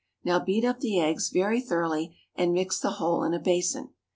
Now beat up the eggs very thoroughly and mix the whole in a basin.